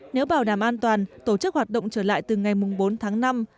nếu bảo đảm an toàn tổ chức hoạt động trở lại từ ngày bốn tháng năm